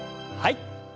はい。